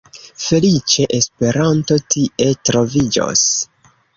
Feliĉe Esperanto tie troviĝos.